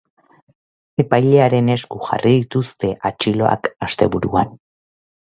Epailearen esku jarri dituzte atxiloak asteburuan.